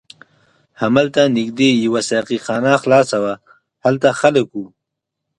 هملته نږدې یوه ساقي خانه خلاصه وه، هلته خلک و.